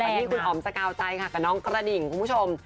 มาต่อกันนี้คุณออ๋อมจะกล่าวใจค่ะกับน้องกระดิ่งคุณผู้ชม